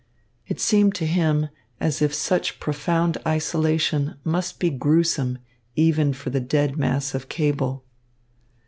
It seemed to him as if such profound isolation must be gruesome even for the dead mass of cable.